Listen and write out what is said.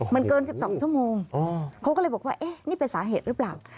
มันเกิน๑๒ชั่วโมงเขาก็เลยบอกว่าเอ๊ะนี่เป็นสาเหตุหรือเปล่า